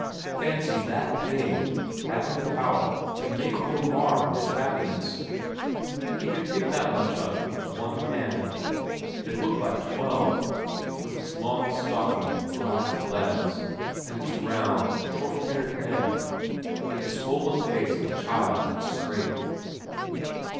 Fancy that thing having the power to make or mar his happiness. He could pick that much up with one hand. It looked like twelve, with its long stockinged relaxed legs, and its round, short haired head, and its swollen face of a child in a scrape.